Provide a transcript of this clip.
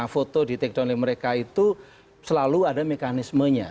foto di take down oleh mereka itu selalu ada mekanismenya